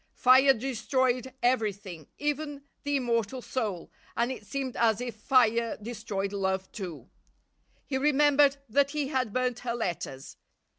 Fire destroyed everything, even the immortal soul, and it seemed as if fire destroyed love too. He remembered that he had burnt her letters.